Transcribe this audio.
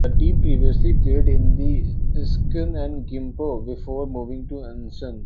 The team previously played in Iksan and Gimpo before moving to Ansan.